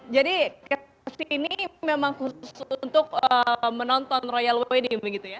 jadi ke sini memang khusus untuk menonton royal wedding begitu ya